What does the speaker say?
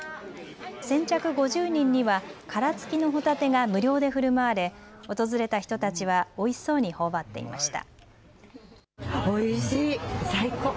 先着５０人には殻付きのホタテが無料でふるまわれ訪れた人たちはおいしそうにほおばっていました。